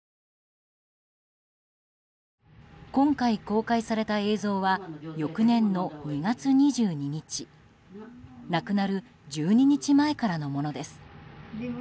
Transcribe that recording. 今回公開された映像は翌年の２月２２日亡くなる１２日前からのものです。